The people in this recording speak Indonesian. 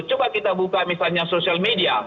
coba kita buka misalnya social media